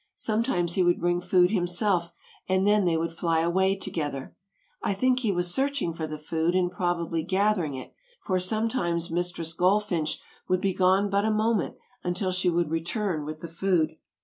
Sometimes he would bring food himself and then they would fly away together. I think he was searching for the food and probably gathering it, for sometimes Mistress Goldfinch would be gone but a moment until she would return with the food.